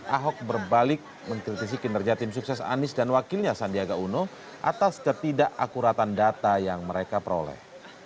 ahok berbalik mengkritisi kinerja tim sukses anis dan wakilnya sandiaga uno atas ketidakakuratan data yang mereka peroleh